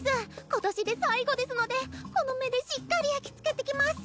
今年で最後ですのでこの目でしっかり焼き付けてきます！